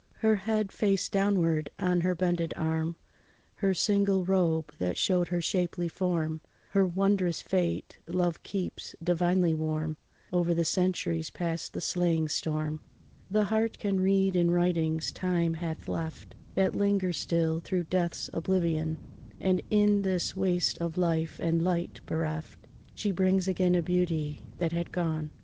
Her head, face downward, on her bended arm, Her single robe that showed her shapely form, Her wondrous fate love keeps divinely warm Over the centuries, past the slaying storm. The heart can read in writings time hath left, That linger still through death's oblivion; And in this waste of life and light bereft, She brings again a beauty that had gone.